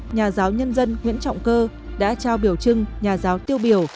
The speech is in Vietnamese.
nhà giáo nhân dân nguyễn trọng cơ đã trao biểu trưng nhà giáo tiêu biểu